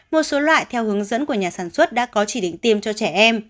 một số loại theo hướng dẫn của nhà sản xuất đã có chỉ định tiêm cho trẻ em